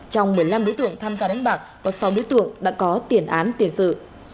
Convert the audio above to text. trong một mươi năm đối tượng tham gia đánh bạc có sáu đối tượng đã có tiền án tiền sự